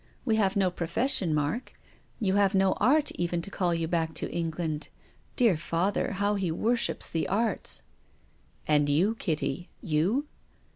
You have no profession, Mark. You have no art even to call you back to England. Dear father — how he worships the arts !"" And you, Kitty — you